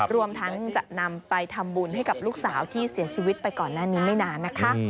รวมทั้งจะนำไปทำบุญให้กับลูกสาวที่เสียชีวิตไปก่อนหน้านี้ไม่นานนะคะ